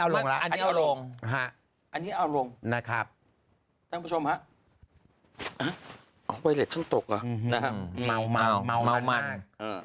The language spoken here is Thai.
สมาร์ทบอร์ฟบอก